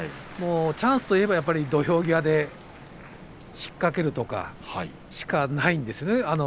チャンスといえば土俵際で引っ掛けるとかしかないですね。